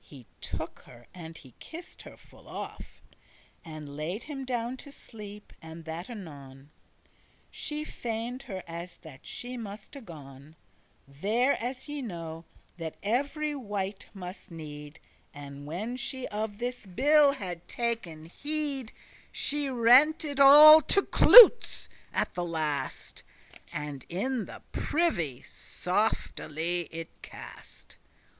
He took her, and he kissed her full oft, And laid him down to sleep, and that anon. She feigned her as that she muste gon There as ye know that every wight must need; And when she of this bill had taken heed, She rent it all to cloutes* at the last, *fragments And in the privy softely it cast.